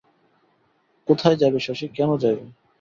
কোথায় যাইবে শশী, কেন যাইবে?